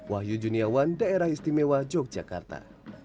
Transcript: wahyu juniawan daerah istimewa yogyakarta